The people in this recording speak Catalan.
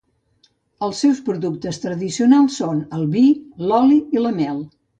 Els seus productes tradicionals són el vi, l'oli i la mel.